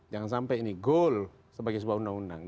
jangan sampai ini goal sebagai sebuah undang undang